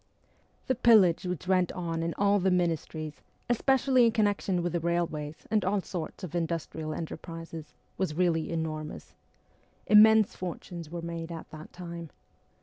The pillage which went on in all the ministries, especially in connection with the railways and all sorts of industrial enterprises, was really enormous. Immense fortunes were made at that time.